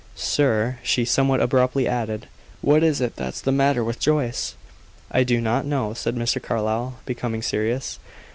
"Sir," she somewhat abruptly added, "what is it that's the matter with Joyce?" "I do not know," said Mr. Carlyle, becoming serious.